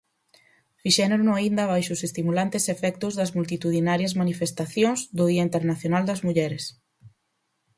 Fixérono aínda baixo os estimulantes efectos das multitudinarias manifestacións do Día Internacional das Mulleres.